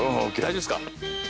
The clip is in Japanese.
大丈夫っすか？